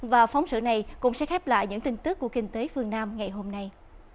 và phóng sự này cũng sẽ khép lại những tin tức của kinh tế phương nam ngày hôm nay